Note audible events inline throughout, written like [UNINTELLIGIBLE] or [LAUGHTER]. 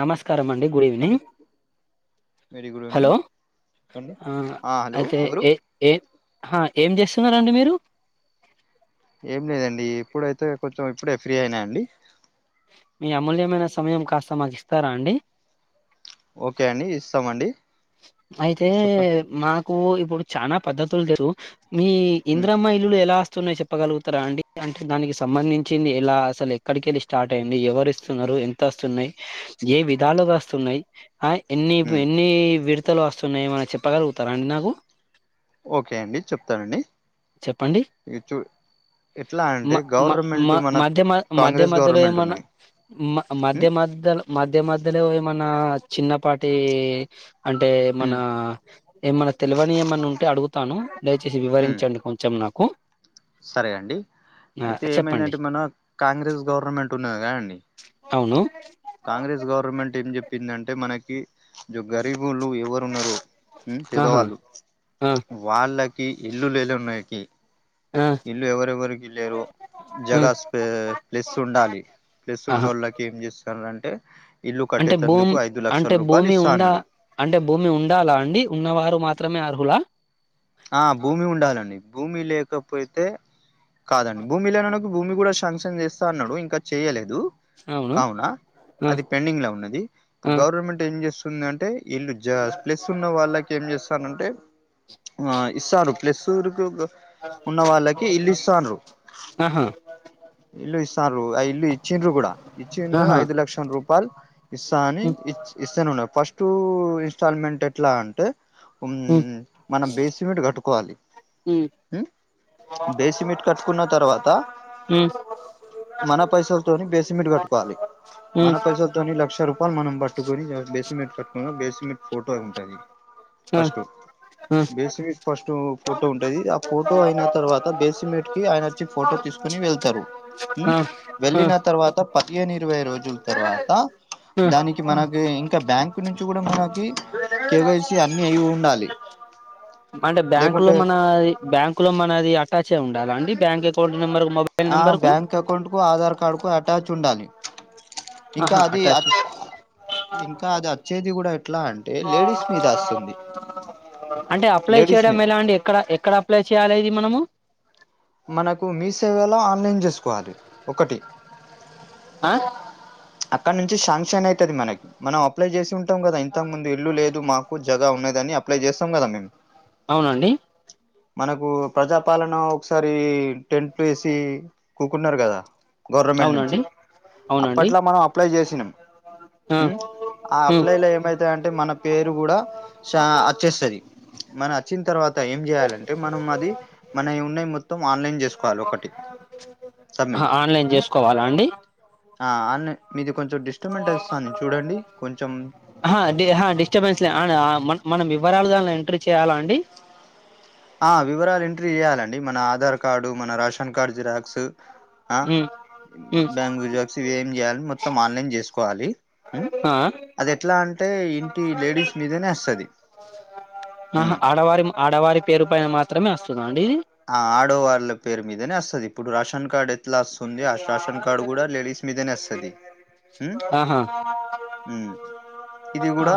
నమస్కారం అండి good hello evening very good evening hello చెప్పండి ఆ హలో అయితే ఎవరు ఎ ఎ ఏం చేస్తున్న రండి మీరు. ఏం లేదండి ఇప్పుడైతే కొంచెం ఇప్పుడే ఫ్రీ అయినా అండి. మీ అమూల్యమైన సమయం కాస్త మాకు ఇస్తారా అండి. ఓకే అండి ఇస్తాము అండి. అయితే మా కు ఇప్పుడు చానా పద్దతులు [UNINTELLIGIBLE] మీ ఉమ్ ఇందిరమ్మా ఇల్లులు ఎలాస్త వస్తున్నయి చెప్పగలుగుతారా అండి. అంటే దానికి సంబంధించింది ఇలా అసలు ఎక్కడికి వెళ్ళి స్టార్ట్ అయ్యింది ఎవరు ఇస్తున్నారు ఎంత వస్తున్నయి ఏ విధాలుగా వస్తున్నాయి. ఆయ్ ఎన్నిపు ఉమ్ ఎన్ని విడతలు వస్తున్నయి ఏమన్నా చెప్పగలుగుతారా అండి నాకు. ఓకే అండి చెప్తానండి చెప్పండి. ఇవి చూ ఎట్లా అంటే మా మా గవర్నమెంట్ మా మన మధ్యమా కాంగ్రెస్ మాధ్యమధ్యలో గవర్నమెంట్ ఏమన్నా ఉన్నాయి మ ఉమ్ మధ్యమ మధ్యమ మధ్య మధ్యలో ఏమన్నా చిన్నపాటి అంటే మన ఉమ్ ఏమన్నా తెలివని ఏమన్నా ఉంటే అడుగుతాను. దయచేసి ఉమ్ వివరించండి కొంచెం నాకు. కో సరే అండి అయితే చెప్పండి ఏమైందంటే మన కాంగ్రెస్ గవర్నమెంట్ ఉన్నది కదా అండి. అవును. కాంగ్రెస్ గవర్నమెంట్ ఏం చెప్పిందంటే మనకి జో గరీబ్ బోల్లు ఎవరున్నరు? ఆహా పెదవాళ్ళు ఆ వాళ్ళ కి ఇల్లు లేలు ఉన్నయికి ఆ ఇల్లు ఎవరెవరికి లెరొ ఆ జగస్ ప్లస్ ఉండాలి. ప్లస్ ఆహా ఉంన్నోలక్కి ఏం చేస్తున్న రంటే అంటే భూమి అంటే రూపాయలు భూమి ఇస్తా ఉండ అన్నాడు అంటే భూమి ఉండాలా అండి ఉన్నవారు మా త్రమే అర్హులా. ఆ భూమి ఉండాలండి. భూమి లేకపోతే కాదండి. భూమి లేనోల్లకు భూమి కూడా సాంక్షన్ చేస్తా అన్నాడు ఇంకా చెయలేదు. అవును కావునా ఆ అది పెండింగ్ల ఉన్నది, ఆ గవర్నమెంట్ ఏం చేస్తు స్తుంది అంటే. వీళ్ళు జ స్ ప్లెస్ ఉన్న వాళ్ళకి ఏం చేస్తర్రు అంటే ఆ ఇస్తారు ప్లెస్సు [INAUDIBLE] ఉన్న వాళ్ళకి ఇల్లు ఇస్తారు. ఆహా ఇల్లు ఇస్తారు ఇల్లు ఇచ్చిండ్రు కూడా. ఇచ్చిర్రు ఆహా ఐదు లక్షల రూపాయలు ఇస్తా అని ఉ ఇస్తను న ఫస్ట్ ఇన్స్టాల్మెంట్ ఎట్లా అంటే ఉన్ మనం బేసిమెంట్ కట్టు హ్మ బేసిమెట్ కట్టుకున్న తర్వాత, ఉమ్ మన పైసలతోని బేసిమెట్ కట్టుకోవాలి. ఉమ్ మన పైసలతోని లక్ష రూపాయలు మనం పట్టుకొని బేసిమెట్ కట్టుకున్న, బేసిమెట్ ఫోటో ఉంటది. ఆ ఆ ఫస్టు. బేసిమెట్ ఫస్టూ ఫోటో ఉంటది, ఆ ఫోటో అయినా తర్వాత బేసిమెట్ కీ ఆయన అచ్చి ఫోటో తీసుకొని వెళ్తరు. ఆ ఆ ఉమ్ వెళ్ళిన తర్వాత పదిహేని ఇరువై రోజు జుల్ తర్వాతా. దానికి మనకీ ఇంకా బ్యాం కు నుంచి కూడా మనకీ, కేవైసీ అన్నీ అయి ఉండాలి. అంటే బ్యాంకు లో లేకుంటే మనాది, బ్యాంకు లో మనది అటాచ్ అయి ఉండాలా and D. Bank account number mobile ఆ నెంబర్ కు బ్యాంక్ అకౌంట్. కూ ఆధార్ కార్డ్ కు అటాచ్ ఉండాలి. ఇంకా ఆహా అది అటాచు. ఇంకా అది వచ్చేది కూడా ఎట్లా అంటే లేడీస్ మీద వస్తుంది అంటే అప్లై లేడీస్ మీద చేయడం ఎలా అండి ఎక్కడ, ఎక్కడ అప్లై చేయాలి ఇది మనము. మనకూ మీ సేవలో ఆన్లైన్ చేస్ కోవాలి. ఒకటి ఆ అక్కడ నుంచి శాంక్షన్ అయితది మనకి. మనం అప్లై చేసి ఉంట్ టం గదా ఇంతక్ ముందు ఇల్లు లేదు మాక్ కు జగా ఉన్నాదని అప్లై చేస్తాం కదా మేము. అవునండి. మనకూ ప్రజాపాలనా ఒకసారీ టెంట్లేసీ కూకున్నారు గదా. గవర్నమెంట్ అవునండి నుంచి అవునండి అప్పట్ ఆ అప్లై చేసినం. ఆ ఉమ్. ఆ ఉమ్ అప్లైలో ఏమైతయ్ అంటే మన పేరు గూడా చా అచ్చేస్తది. మన అచ్చిన్ తర్వాత ఏం చేయాలంటే మనం అది, మనయ్ ఉన్నయి మొత్తం ఆన్లైన్ చేసుకోవాలి ఒకటి ఆహా సబ్మిట్ ఆన్లైన్ ఉమ్ చేసుకోవాలా ఆ మీ ఆ కొంచెం అహా డి అహా డిస్టర్బెన్స్ లే మన మనం వివరాలు దాన్ ఎంట్రీ చేయాలాండి. ఆ వివరాలు ఎంట్రీ చేయాలండి మనా ఆధార్ కార్డు, మన రేషన్ కార్డు జిరాక్సు. ఆ ఉమ్ ఉమ్ బ్యాంగూ జాక్స్ ఇవి ఏమి చేయాలి మొత్తం ఆన్లైన్ చేసుకోవాలి. ఉమ్ ఆ అది ఎట్లా అంటే ఇంటీ లేడీస్ మీదనే అస్తది. ఆహా ఉమ్ ఆడవారి ఆడవారి పేరు పైన మాత్రమే ఒస్తద్. ఆ ఆడువాళ్ళ పేరు మీదనే అస్తది. ఇప్పుడు రాషన్ కార్డ్ ఎట్ ట్లా ఒస్తుంది ఆ శాషన్ కార్డు గూడా లేడీస్ మీదనే అస్తది. ఉమ్ ఆహా ఆ ఉమ్ ఇది గూడా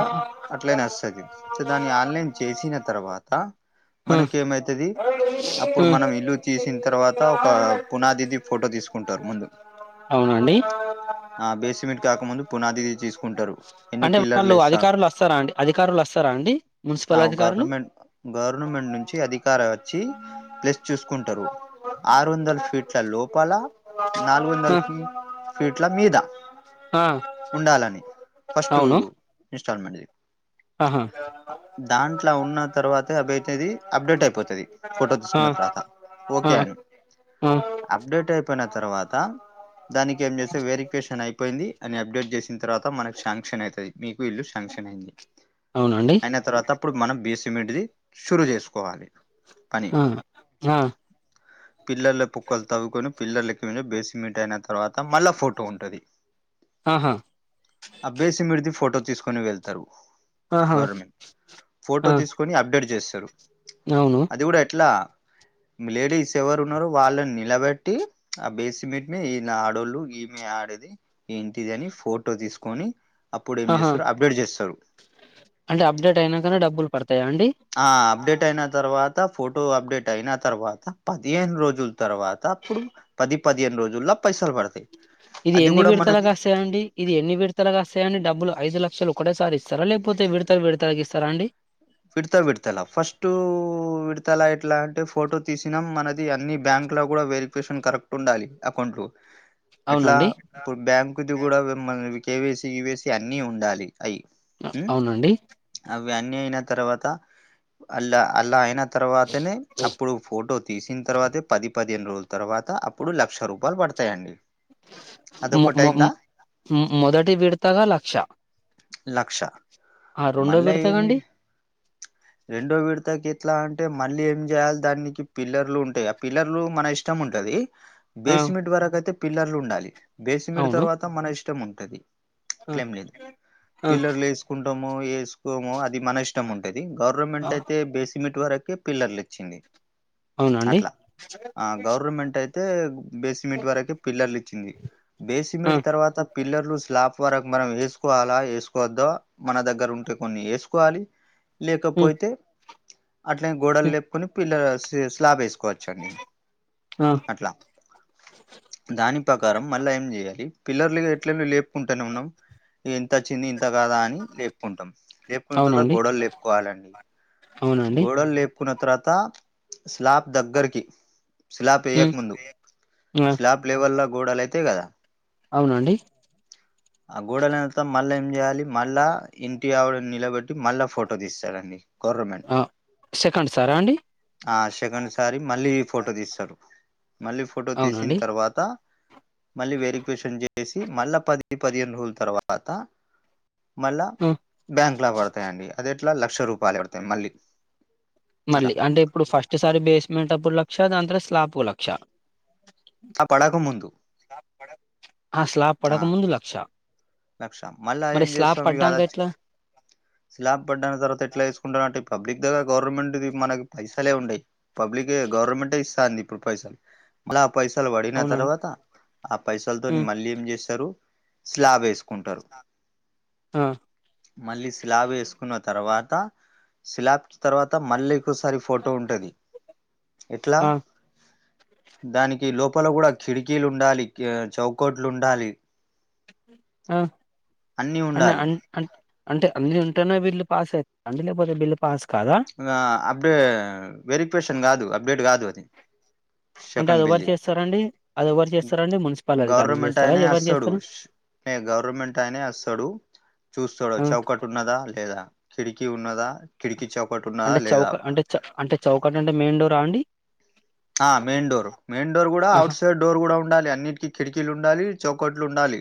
అట్లనే వస్తది. సో దాని ఆన్లైన్ చేసిన తర్వాతా ఆ మనకేమైతది. అప్పుడు మనం ఇల్లు తీసిన తర్వాత ఒక పునాదిది ఫోటో తీసుకుంటారు ముందు అవునండి ఆ బేసిమెంట్ కాకముందు పునాదిది తీసుకుంటారు ఎన్ని అంటే పిల్లర్లు వాళ్ళు ఇస్తాం అధికారులు వస్తారా అండి అధికారులు వస్తారా అండి ఆ మున్సిపల్ అధికారులు గవర్నమెంట్ గవర్నమెంట్ నుంచి అధికార వచ్చి ప్లస్ చూసుకుంటారు ఆరు వందల ఫీట్ల లోపల నాలుగు వందల ఫీట్ల మీద ఆ ఆ ఉండాలని ఫస్ట్ అవును చర్మీ ఆహా [INAUDIBLE] దాంట్లో ఉన్న తర్వాతే అదయితాది అప్డేట్ అయిపోతుది ఫోటో ఆ తీసుకున్న తర్వాత ఆ ఓకే అని ఆ అప్డేట్ అయిపోయిన తర్వాత దానికి ఏం చేస్తే వెరిఫికేషన్ అయిపోయింది అని అప్డేట్ చేసిన తర్వాత మనకు శాంక్షన్ అవుతుది మీకు ఇల్లు శాంక్షన్ అయింది అవునండి అయిన తర్వాత అప్పుడు మనం బీస్ సిమెంట్ది సురు చేసుకోవాలి పని ఆ పిల్లర్ల పుక్కల్ తవుకొను పిల్లర్ల ఎక్కువ బేసిమెట్ అయిన తర్వాత మళ్ళ ఫోటో ఉంటది ఆహా ఆ బే సిమిడితి ఫోటో తీసుకొని వెళ్తారు ఆహా గవర్నమెంట్ ఫోటో ఆ తీసుకొని అప్డేట్ చేస్త తరు అవును అది కూడా ఎట్లా లేడీస్ ఎవరు ఉన్నారో వాళ్ళని నిలబెట్టి ఆ బేసిమెట్ మీ ఈ ఆడోళ్ళు ఈమె ఆడేది ఏంటిది అని ఫోటో తీసుకొని అప్పుడు ఏం చేస్తారు అప్డేట్ చేస్తారు అంటె అప్డేట్ అయినాకనే డబ్బులు పడుతుంది ఆ అప్డేట్ అయినా తర్వాత త ఫోటో అప్డేట్ అయిన తర్వాత పదిహేను రోజుల తర్వాత అప్పుడు పది పదిహేను రోజుల్లో పైసలు పడతాయి ఇది అది ఎన్ని కూడా మనది విడతలుగాస్తేయండి ఇది ఎన్ని విడతలుగాస్తేయండి డబ్బులు ఐదు లక్ష ఒక్కటే సారి స సర లేకపోతే విడతల్ విడతల్ గా ఇస్తరండి విడతలా ఎట్లా అంటే ఫోటో తీసినా మనది అన్ని బ్యాంక్ లో కూడా వెరిఫికేషన్ కరెక్ట్ ఉండాలి అకౌంట్ లో ఎట్లా అవునండి ఇప్పుడు బ్యాంకుది కూడా మమ్మల్ కేవైసి ఈవైసి అన్ని ఉండాలి అయ్ అవునండి అన్నీ అయిన తర్వాత అల్లా అల్లా అయిన తర్వాతనే అప్పుడు ఫోటో తీసిన తర్వాతే పది పది పదేను రోజుల తరువాత అప్పుడు లక్ష రూపాయలు పడతాయండి మొ అదొకటి మొ అయిందా మొదటి విడతల లక్ష లక్ష ఆ రెండో మల్ల విడతగా ఎం అండి రెండో విడుత కె ఎట్లా అంటే మళ్ళీ ఏం చేయాలి దానికి పిల్లర్లు ఉంటాయి ఆ పిల్లర్లు మన ఇష్టం ఉంటది ఆ బేస్మెట్ వరకైతే పిల్లర్లు ఉండాలి బేస్మెట్ అవును తర్వాత మన ఇష్టం ఉం టది ఆ ఇట్లేమ్ లేదు ఆ పిల్లర్లు వేసుకుంటా ము ఏసు కోమో అది మన ఇష్ ష్టం ఉంటది ది ఆ గవర్నమెంట్ అయితే బేస్మ్ సిమెట్ వరకే పిల్లర్లు ఇచ్చింది అవునా అండి. తే బేసిమెంట్ వరకు పిల్లర్లు ఇచ్చింది ఆ బేసిమెంట్ తర్వాత పిల్లర్లు స్లాప్ వరకు మనం వేసు కోవాలా వేసుకోవద్దో మన దగ్గర ఉంటే కొన్ని వేసుకోవాలి ఉమ్, లేకపోతే అట్లనే గోడలు ఉమ్, లేపుకొని పిల్ల సే స్లాబ్ ఏసు కోవచ్చండి ఆ అట్లా దాని ప్రకారం మళ్ళా ఏం జేయాలి పిల్లర్లు గట్లనే లేపుకుంటానే ఉన్నం ఎంత చిన్ని ఇ తాగదా అని లేపుకుంటాం లేపుకున్న తర్వత అవునండి గోడలు లేపుకోవాలండి అవునండి గోడలు లేప్ కున్న తర్వాత స్లాబ్ దగ్గరకి స్లాప్ వేయక ఉమ్, ముందు ఆ స్లాబ్ లెవెల్ల గోడలైతయి కదా అవునండి ఆ గోడాలైన త మళ్ళా ఏం చేయాలి మళ్ళా ఇంటి ఆవడని నిలబెట్టి మళ్ళా ఫోటో తీస్తారండి గౌర్రామెంట్ ఆ సెకండ్ సారా అండి ఆ శకండ్ సారి మళ్ళీ ఫోటో తీస్తారు మళ్ళీ ఫోటో తీసిన్ అవునండి తర్వాత మళ్ళీ వెరిక్వేషన్ చేసి మళ్ళా పది పదిహేను రోజుల తర్వా పత మళ్ళా ఆ బ్యాంక్లా బడతాయండి అది ఎట్లా క్ష రూపాయలు పడతాయ్ మళ్ళీ అట్లా మళ్ళీ అంటే ఇప్పుడు ఫస్ట్ సారి బేస్మెంట్ అప్పుడులా క్ష దాంతర స్లాలాపుకో లక్ష ఆ పడక ముందు ఆ స్లాబ్ ఆ పడక ముందు లక్ష లక్ష మళ్లా మరి ఏం స్లాబ్ జేస్తాం ఇగా పడ్డాక ఎట్లా స్లాబ్ పడ్డాన తర్వాత ఎట్లా ఏసుకుంటున్నట్టు పబ్లిక్ దగ్గర గౌరమెంట్ ది మనకి పైసలే ఉండయ్ పబ్లికే గౌరమెంటే ఇస్తాంది ఇప్పుడు పైసలు మళ్ళా పైసలు బడిన అవునా తర్వాత ఆ పైసలు తోని హ్మ్. మళ్ళీ ఏం జేస్తరు స్లాబేస్ ఉంటరు ఆ! మళ్ళీ స్లాబ్ వేసుకున్న తర్వా త స్లాబ్కి తర్వాత మళ్ళీంకోసారి ఫోటో ఉంటది ఎట్లా ఆ! దానికి లోపల గూడా కిడికీలుండాలి కె చౌకోట్లుండాలి మ్ అన్నా ఆన్ అంటే అన్ని ఉంటనే బిల్లు పాస్ అన్ని లేపోతే బిల్లు పాస్ కాదా? ఆ అపుడు వెరిఫై షన్ గాదు అప్డేట్ గాదు అంటే షేకెండ్ అది బిల్ ఎవరు ది చేస్తారండి? అది ఎవరు చేస్తారండి? మున్సిపల్ అధికారులు గౌరమెంట్ చేస్తారా? అనే ఎవరు ఒస్తడు చేస్తారు? ష్ గౌరమెంట్ అనే వస్తడు చూస్తాడు ఆ! చౌకట్ ఉన్నదా లేదా కిడికి ఉన్నద కిడికి చౌ అంటే చౌక అంటే చ అంటే చౌకట్ అంటే మెయిన్ డోరా అండి ఆ మెయిన్ డోర్ మెయిన్ డోర్ కూడా ఆహా! అఔట్ సైడ్ డోర్ కూడా ఉండాలి అని అన్నిటికి కిటికీలు ఉండాలి చౌకట్లు ఉండాలి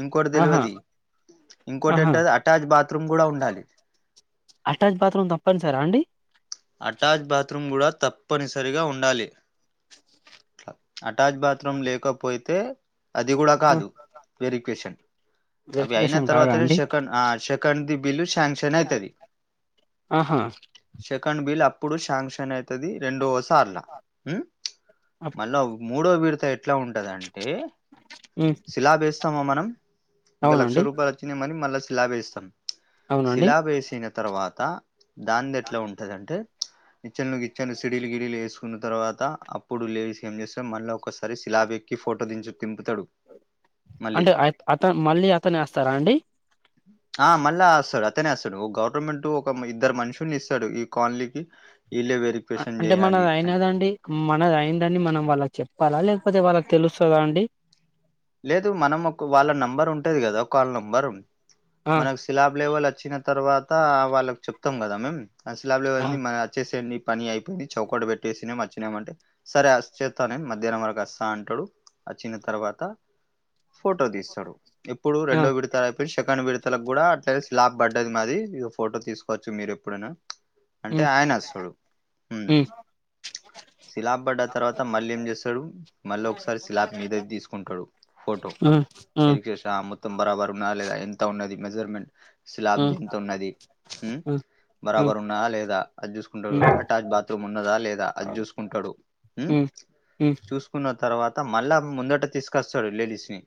ఇంకోటి ఆహా! తెలియది ఇంకోటి ఆహా! ఏంటది అటాచ్ బాత్రూమ్ కూడా ఉండాలి అటాచ్ బాత్రూమ్ తప్పనిసరా అండి? అటాచ్ బాత్రూమ్ కూడా తప్పనిసరిగా ఉ ఉండాలి అటాచ్ బాత్రూమ్ లేక పోయి తే అది కూడా ఆ! కాదు వెరక్వేషన్ అవి అయినా వెరిఫికేషన్ కాదా తరువాత అండి? సెకండ్ సెకండ్ బిలుష్ శ్యాంక్షన్ అయితది ఆహా! సెకండ్ బిల్ అ ఇప్పుడు శాంక్షన్ అయితది రెండో సార్లు హ్మ్ అప్ మళ్ళా మూడో విడుతా ఎ ట్ల ఉంటదంటే హ్మ్. శిలాబ్ వేస్తామా మనం ఇగ లక్ష అవునండి. రూపాయలు వచ్చినా మని మళ్ల స్లాబ్ యేస్తం అవునండి. శిలాబ్ వేసిన తరువా తా దాంది ఎట్లా ఉంటదంటే ప్చ్ నిచ్చెన్లు గిచ్చెన్లు సిడిలు గిడిలు యేసు కున్న తర్వాత అప్పుడు లేడీస్ ఏం జేస్సం మళ్ళ ఒక్కసారి స్లాబ్ ఎక్కి ఫోటో దించు దింపుతడు అంటే అ అతన్ మళ్ళీ అతనే వస్తారా అండి తనేస్తడు ఓ గవర్నమెంట్ ఒక ఇద్దరు మనుషుల్ని ఇస్సడు ఈ కాలనీకి ఇళ్లే అ వెరిఫికేషన్ అంటే జేయాలి మనది అని. అయినదండి మనది అయిందని మనం వాళ్ళక్ చెప్పాలా లేక్ పోతే వాళ్ళకి తెలుస్తదా అండి లేదు మనం ఒక వాళ్ళ నంబర్ ఉంటది గదా ఒకాల్ నంబర్ ఆ! మనక్ స్లాబ్ లేెవెల వచ్చిన తర్వాత వాళ్ళకి చెప్తాం కదా మేం అ స్లాబ్ లో ఆ అయింది మన అచ్చేసేయండి పని అయిపోయింది చౌకట పెట్టేసినాము వచ్చినామంటే సరే అ చేత్తానేం మధ్యానం వరకు వస్సా అంటడు అచ్చిన తర్వాత ఫోటో దీస్సడు ఇప్పుడు ఆ రెండో విడుత అయిపేయ్ శెకన్ విడు త్తలగ్గూడా అట్లే స్లాబ్ బడ్డది మాది ఇదొ ఫోటో తీసుకోవచ్చు మీరు ఎప్పుడన్నా అంటే హ్మ్ ఆయనే వస్సడు మ్మ్ హ్మ్ సిలాబ్ బడ్డ తర్వాత మళ్ళీ ఏం జేస్సడు మళ్ళీ ఒకసారి సిలాబ్ మీదకి దీసుకుంటడు. ఫోటో ఆ ఆ వెరికేష మొత్తం బరాబరు ఉన్నాద లేదా ఎంత ఉన్నది మెజెర్మెంట్ ఆ ఆ స్లాబ్ది ఇంతున్నది మ్మ్ ఆ బరాబరు ఉన్నాద లేదా అది జూసుకుంటడు. హ్మ్ అటాచ్ బాత్రూమ్ ఉన్నదా లేదా అద్ జూసుకుంటాడు హ్మ్ హ్మ్ చూసుకున్న తర్వాత మళ్ళా ముందట తీసుకొస్ తడు లేడీస్ నీ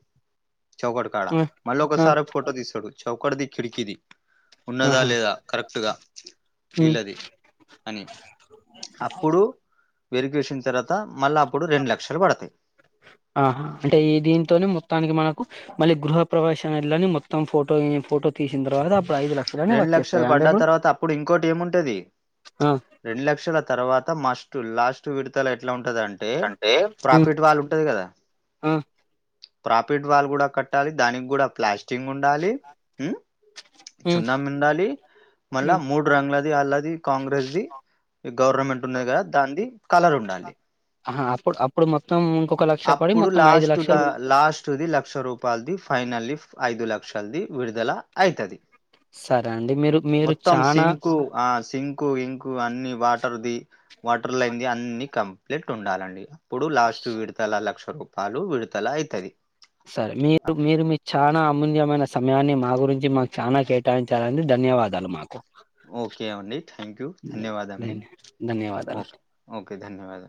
చౌకట్ కాడా ఆ మళ్లోక ఆ సారి ఫోటో తీస్సడచ్ చౌకట్ ది ఖిడికి ది ఉన్నదా ఆహా లేదా కరెక్ట్ గా హ్మ్ వీల్లది అని అప్పుడు వెరిఫికేషన్ తరా తత మళ్ళా అప్పుడు రెండు లక్షలు పడతాయి ఆహా అంటే ఈ దీంతోనే మొత్తానికి మనకు మళ్ళీ గృహ ప్రవేశాని మొత్తం ఫోటో ఫోటో తీసిన తర్వాత అప్పుడు ఐదు లక్షలనే రెండు లక్షలు వచ్చేస్తాయా అండి పడ్డ తర్వాత అప్పుడు ఇంకోటి ఏముంటది ఆ రెండు లక్షల తర్వాత మస్ట్ లాస్ట్ విడతల ఎట్లా ఉంట ఉంటదంటే హ్మ్ ప్రాఫిట్ వాళ్ళు ఉంటది కదా ఆ ప్రాఫిట్ వాళ్ళు కూడా కట్ టాది దానికి కూడా ప్లాస్క్ చిటింగ్ ఉండాలి హ్మ్ చున్న ఉండాలి మళ్ళా హ్మ్ మూడు రంగులది అళ్ళది కాంగ్రెస్ది గవర్నమెంట్ ఉన్నది కదా దానిది కలర్ ఉండాలి ఆహా అప్పుడు అప్పుడు మొత్తం ఇంకొక లక్ష పడి అప్పుడు మొత్తం ఐదు లాస్ట్ లా లక్షలు లాస్ట్ది లక్ష రూపాయలది ఫైనల్ ఐదు క్ష అల్ది విడుదల అయితది సరే అండి మీరు మీరు మొత్తం చనాా సింకు ఆ సింకు ఇంకు అన్ని వాటర్ది వాటర్ల అయింది అన్ని కమ్ ప్లెట్ ఉండాలండిక ఇప్పుడు లాస్ట్ విడతల లక్ష రూపా పాాలు విడతల అవుతది సర మీరు మీరు మీ చాలా అమూల్యమైన సమయాన్ని మా గురించి మాకు చాలనా కేటాయించాలని ధన్యవాదాలు మాకు ఓకే అండి థ్యాంక్ యూ ధన్యవాదంండి ధన్యవాదాలు ఓకే ఓకే ధన్యవాద